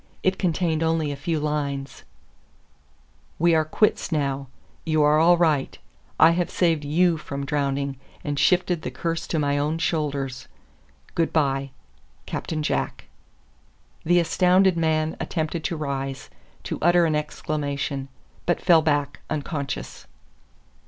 It contained only a few lines: We are quits now. You are all right. I have saved YOU from drowning, and shifted the curse to my own shoulders. Good by. CAPTAIN JACK. The astounded man attempted to rise to utter an exclamation but fell back, unconscious.